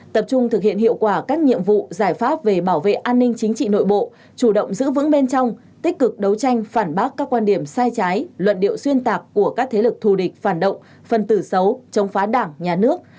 tập trung thực hiện hiệu quả các nhiệm vụ giải pháp về bảo vệ an ninh chính trị nội bộ chủ động giữ vững bên trong tích cực đấu tranh phản bác các quan điểm sai trái luận điệu xuyên tạc của các thế lực thù địch phản động phân tử xấu chống phá đảng nhà nước